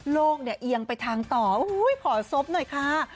โลกเนี่ยเอียงไปทางต่ออุ๊ยพอซพหน่อยคร้า